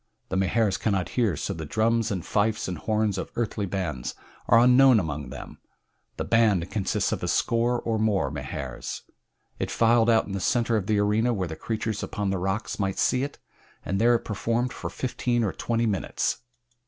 The Mahars cannot hear, so the drums and fifes and horns of earthly bands are unknown among them. The "band" consists of a score or more Mahars. It filed out in the center of the arena where the creatures upon the rocks might see it, and there it performed for fifteen or twenty minutes.